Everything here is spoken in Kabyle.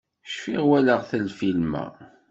Cfiɣ walaɣ-t lfilm-a.